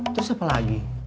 terus apa lagi